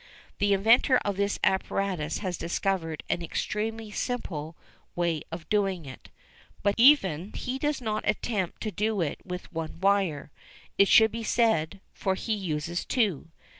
The inventor of this apparatus has discovered an extremely simple way of doing it. But even he does not attempt to do it with one wire, it should be said, for he uses two.